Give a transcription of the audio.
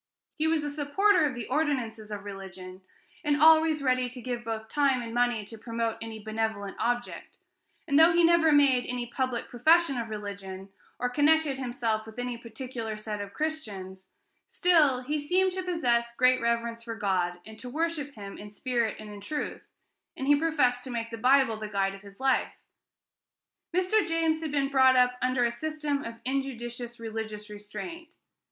He was a supporter of the ordinances of religion, and always ready to give both time and money to promote any benevolent object; and though he had never made any public profession of religion, or connected himself with any particular set of Christians, still he seemed to possess great reverence for God, and to worship him in spirit and in truth, and he professed to make the Bible the guide of his life. Mr. James had been brought up under a system of injudicious religious restraint.